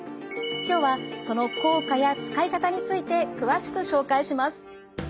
今日はその効果や使い方について詳しく紹介します。